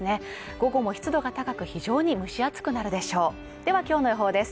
午後も湿度が高く非常に蒸し暑くなるでしょうではきょうの予報です